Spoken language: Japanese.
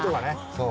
そう。